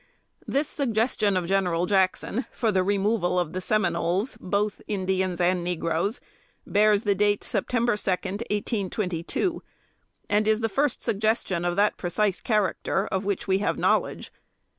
" This suggestion of General Jackson for the removal of the Seminoles, both Indians and negroes, bears date September second, 1822, and is the first suggestion, of that precise character, of which we have knowledge.